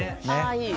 いい。